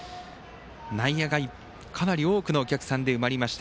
内野がかなり多くのお客さんで埋まりました。